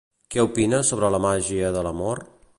Què opina sobre la màgia de l'amor?